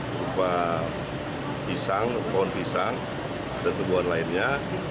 berupa pisang pohon pisang dan tumbuhan lainnya